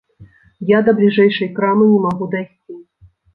Я да бліжэйшай крамы не магу дайсці.